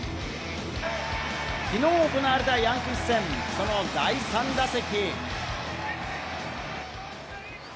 きのう行われたヤンキース戦、その第３打席。